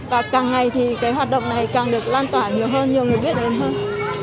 và càng ngày thì cái hoạt động này càng được lan tỏa nhiều hơn nhiều người biết đến hơn